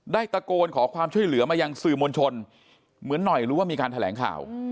ตะโกนขอความช่วยเหลือมายังสื่อมวลชนเหมือนหน่อยรู้ว่ามีการแถลงข่าว